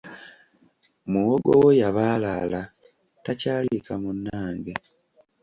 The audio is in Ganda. Muwogo wo yabaalaala takyaliika munnange.